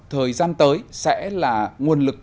thời gian tới sẽ là nguồn lực